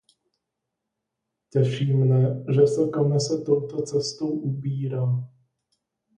Těší mne, že se Komise touto cestou ubírá.